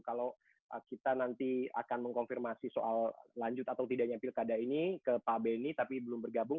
kalau kita nanti akan mengkonfirmasi soal lanjut atau tidaknya pilkada ini ke pak benny tapi belum bergabung